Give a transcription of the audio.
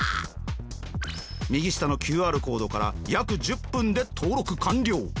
右下のＱＲコードから約１０分で登録完了。